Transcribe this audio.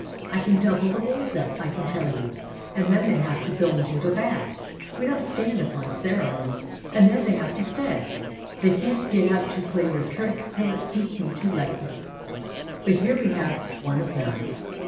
I can double the boys up, I can tell you, and then they have to go into the bag; we don't stand upon ceremony, and there they have to stay; they can't get out to play their tricks till it suits me to let them. But here we have one of them."